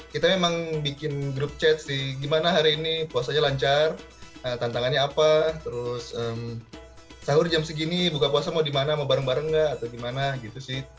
kita memang bikin grup chat sih gimana hari ini puasanya lancar tantangannya apa terus sahur jam segini buka puasa mau dimana mau bareng bareng nggak atau gimana gitu sih